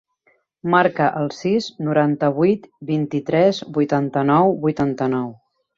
Marca el sis, noranta-vuit, vint-i-tres, vuitanta-nou, vuitanta-nou.